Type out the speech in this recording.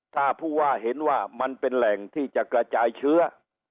ถ้าผู้ว่าเห็นว่ามันเป็นแหล่งที่จะกระจายเชื้อ